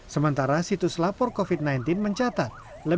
sementara situs lainnya menjaga jarak memakai masker dan mencuci tangan